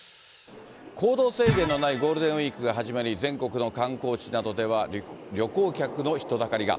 行動制限のないゴールデンウィークが始まり、全国の観光地などでは、旅行客の人だかりが。